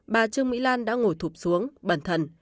bà trương mỹ lan đã ngồi thụp xuống bẩn thần